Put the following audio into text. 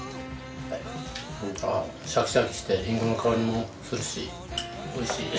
シャキシャキしてリンゴの香りもするし美味しい。